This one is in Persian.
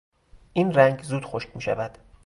این رنگ زود خشک میشود.